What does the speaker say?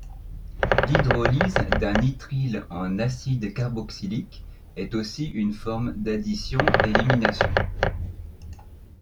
L'hydrolyse d'un nitrile en acide carboxylique est aussi une forme d'addition-élimination.